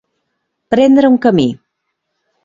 Prendre un camí.